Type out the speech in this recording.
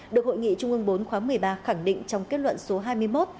được hội nghị trung ương bốn khóa một mươi ba khẳng định trong kết luận số hai mươi một